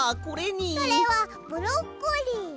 それはブロッコリー。